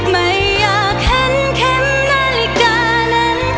ไม่อยากเห็นแค่นาฬิกานั้น